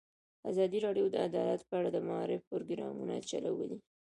ازادي راډیو د عدالت په اړه د معارفې پروګرامونه چلولي.